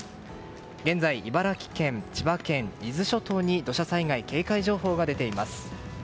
現在、茨城県千葉県、伊豆諸島に土砂災害警戒情報が出ています。